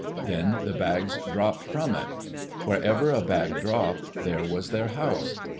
Then the bags dropped from it. Wherever a bag dropped, there was their house.